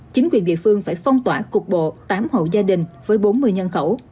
chính quyền địa phương phải phong tỏa cục bộ tám hộ gia đình với bốn mươi nhân khẩu